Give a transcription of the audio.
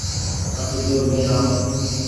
هٽ جو مينٚ آئونٚ